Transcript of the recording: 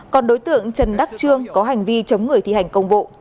còn đối tượng trần đắc trương có hành vi chống người thi hành công vụ